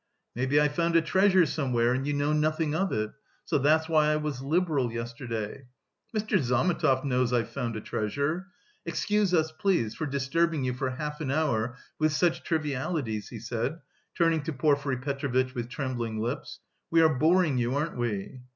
"Maybe I found a treasure somewhere and you know nothing of it? So that's why I was liberal yesterday.... Mr. Zametov knows I've found a treasure! Excuse us, please, for disturbing you for half an hour with such trivialities," he said, turning to Porfiry Petrovitch, with trembling lips. "We are boring you, aren't we?"